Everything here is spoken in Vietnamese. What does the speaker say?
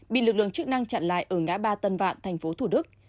bị lực lượng chức năng chặn lại ở ngã ba tân vạn thành phố thủ đức